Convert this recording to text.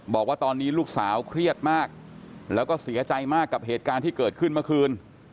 บอกว่าตอนนี้ลูกสาวเครียดมากแล้วก็เสียใจมากกับเหตุการณ์ที่เกิดขึ้นเมื่อคืน